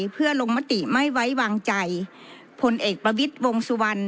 เพื่อลงมติไม่ไว้วางใจพลเอกประวิทย์วงสุวรรณ